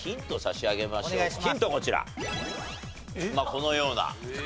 このような。